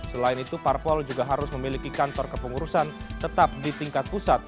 selain itu parpol juga harus memiliki kantor kepengurusan tetap di tingkat pusat